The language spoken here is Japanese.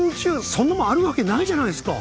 そんなもんあるわけないじゃないですか！